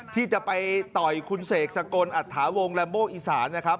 ที่จะไปต่อยคุณเสกสกลอัตถาวงแรมโบอีสานนะครับ